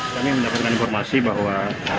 kami mendapatkan informasi bahwa